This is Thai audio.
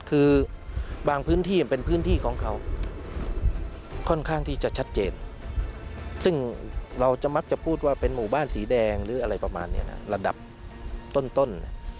คือบางพื้นที่มันเป็นพื้นที่ของเขาค่อนข้างที่จะชัดเจนซึ่งเราจะมักจะพูดว่าเป็นหมู่บ้านสีแดงหรืออะไรประมาณนี้นะระดับต้น